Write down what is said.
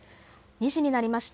２時になりました。